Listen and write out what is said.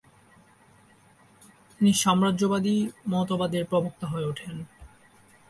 তিনি সাম্রাজ্যবাদবিরোধী মতবাদের প্রবক্তা হয়ে ওঠেন।